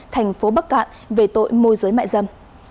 thành phố bắc cạn về tội môi giới mại dâm